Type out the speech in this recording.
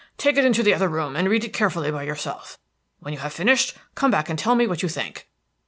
"Take it into the other room, and read it carefully by yourself. When you have finished, come back and tell me what you think."